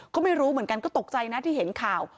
ก็ไม่รู้เหมือนกันก็ตกใจนะที่เห็นข่าว